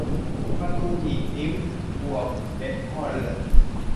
ประตูหนีบนิ้ว บวม เล็บห้อเลือด